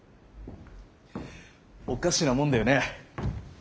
おかしなもんだよね。